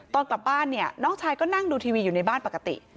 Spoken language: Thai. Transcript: ตอนกลับบ้านเนี่ยน้องชายก็นั่งดูทีวีอยู่ในบ้านปกติ